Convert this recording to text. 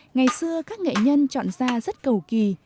ngày xưa các nghệ nhân chọn ra rất cầu kỳ